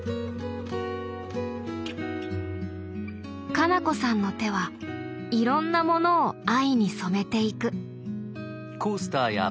花菜子さんの手はいろんなものを藍に染めていく。